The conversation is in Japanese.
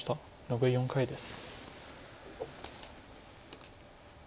残り４回です。